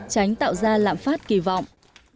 tránh tạo ra lãng phát kỳ vọng